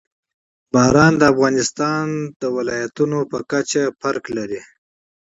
باران د افغانستان د ولایاتو په کچه توپیر لري.